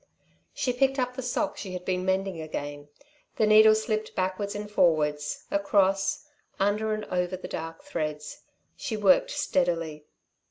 She picked up the sock she had been mending again. The needle slipped backwards and forwards, across, under and over, the dark threads. She worked steadily.